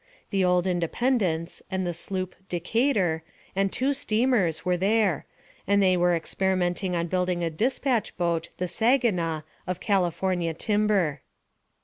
The old Independence, and the sloop Decatur, and two steamers were there, and they were experimenting on building a despatch boat, the Saginaw, of California timber.